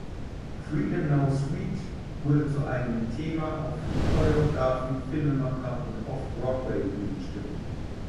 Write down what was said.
Freedom Now Suite" wurde zu einem Thema auch für Choreografen, Filmemacher und Off-Broadway-Bühnenstücken.